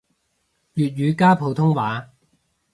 粵語加普通話